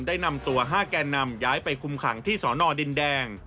ได้นำตัว๕แกนนำย้ายไปคุมขังที่สอนอดินแดง